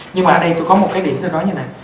nhưng mà ở đây tôi có một cái điểm tôi nói như thế này